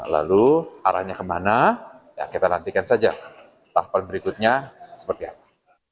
lalu arahnya kemana ya kita nantikan saja tahapan berikutnya seperti apa